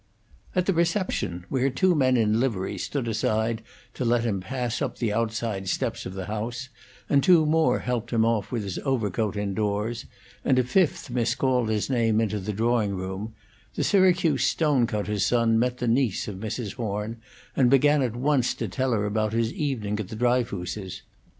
At the reception, where two men in livery stood aside to let him pass up the outside steps of the house, and two more helped him off with his overcoat indoors, and a fifth miscalled his name into the drawing room, the Syracuse stone cutter's son met the niece of Mrs. Horn, and began at once to tell her about his evening at the Dryfooses'.